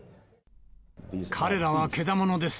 彼らはけだものです。